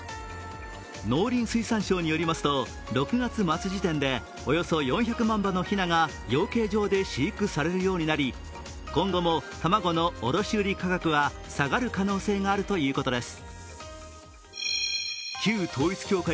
農林水産省によりますと６月末時点でおよそ４００万羽のひなが養鶏場で飼育されるようになり今後も卵の卸売価格は下がる可能性があるということです。